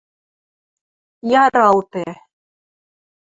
– Яра ылде!